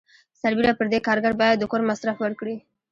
سربیره پر دې کارګر باید د کور مصرف ورکړي.